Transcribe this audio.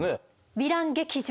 ヴィラン劇場